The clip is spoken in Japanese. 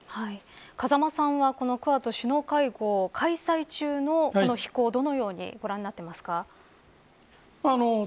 風間さんはこのクアッド首脳会合開催中のこの飛行をどのようにご覧になっていますか。